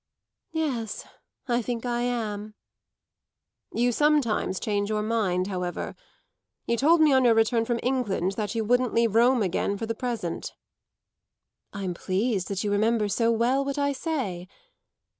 "Yes, I think I am." "You sometimes change your mind, however. You told me on your return from England that you wouldn't leave Rome again for the present." "I'm pleased that you remember so well what I say.